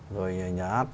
rồi nhà hát